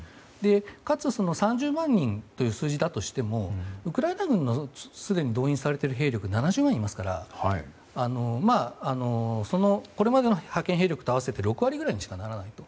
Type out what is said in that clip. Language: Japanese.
かつ、３０万人という数字だとしてもウクライナ軍のすでに動員されている兵力は７０万いますからこれまでの派遣兵力に合わせて６割ぐらいにしかならないと。